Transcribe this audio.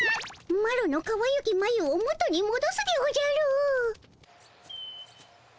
マロのかわゆきまゆを元にもどすでおじゃる。